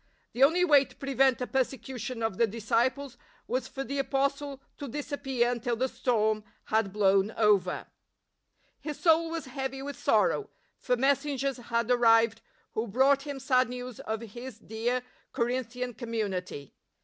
The only way to prevent a persecution of the disciples was for the Apostle to disappear until the storm had blown over. His soul was heavy with sorrow, for mes sengers had arrived who brought him sad news of his dear Corinthian community.